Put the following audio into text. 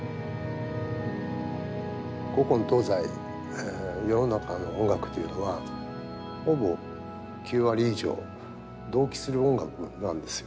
古今東西世の中の音楽というのはほぼ９割以上同期する音楽なんですよ。